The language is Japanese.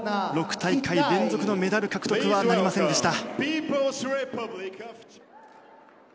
６大会連続のメダル獲得はなりませんでした。